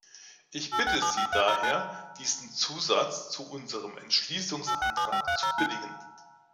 Ich bitte Sie daher, diesen Zusatz zu unserem Entschließungsantrag zu billigen.